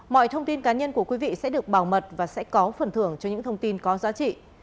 mọi thông tin cá nhân của quý vị sẽ được bảo mật và sẽ có phần thưởng cho những thông tin có giá trị